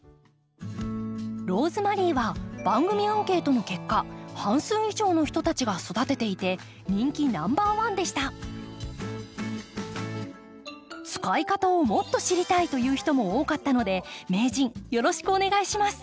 ローズマリーは番組アンケートの結果半数以上の人たちが育てていて使い方をもっと知りたいという人も多かったので名人よろしくお願いします。